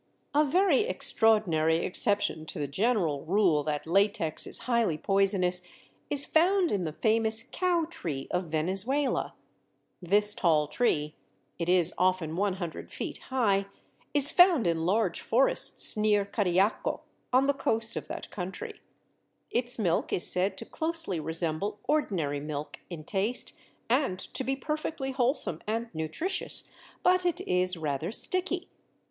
A very extraordinary exception to the general rule that latex is highly poisonous, is found in the famous Cow Tree of Venezuela. This tall tree (it is often 100 feet high) is found in large forests near Cariaco, on the coast of that country. Its milk is said to closely resemble ordinary milk in taste, and to be perfectly wholesome and nutritious, but it is rather sticky.